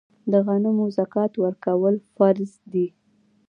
د غنمو زکات ورکول فرض دي.